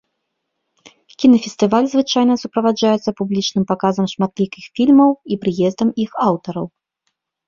Кінафестываль звычайна суправаджаецца публічным паказам шматлікіх фільмаў і прыездам іх аўтараў.